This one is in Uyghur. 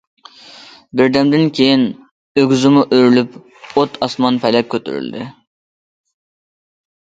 بىر دەمدىن كېيىن ئۆگزىمۇ ئۆرۈلۈپ، ئوت ئاسمان پەلەك كۆتۈرۈلدى.